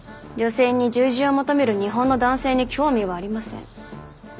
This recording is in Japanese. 女性に従順を求める日本の男性に興味はありません。